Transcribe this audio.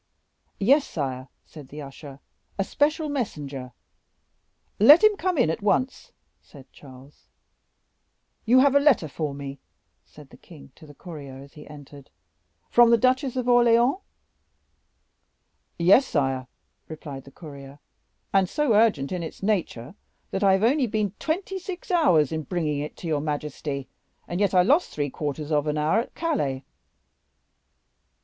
"Yes, sire," said the usher, "a special messenger." "Let him come in at once," said Charles. "You have a letter for me," said the king to the courier as he entered, "from the Duchess of Orleans?" "Yes, sire," replied the courier, "and so urgent in its nature that I have only been twenty six hours in bringing it to your majesty, and yet I lost three quarters of an hour at Calais."